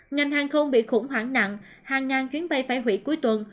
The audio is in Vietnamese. ngành hàng không bị khủng hoảng nặng hàng ngàn chuyến bay phải hủy cuối tuần